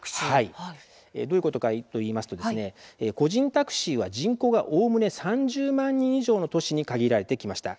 どういうことかといいますと個人タクシーは人口がおおむね３０万人以上の都市に限られてきました。